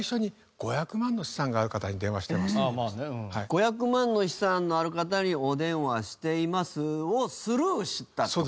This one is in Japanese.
「５００万の資産のある方にお電話しています」をスルーしたって事？